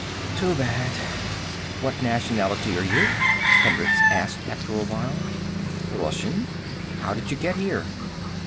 "Too bad." "What nationality are you?" Hendricks asked after awhile. "Russian." "How did you get here?"